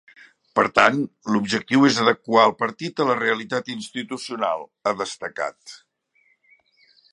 Per tant, ‘l’objectiu és adequar el partit a la realitat institucional’, ha destacat.